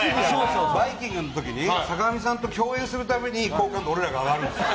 「バイキング」の時に坂上さんと共演するたびに好感度、俺らが上がるんですよ。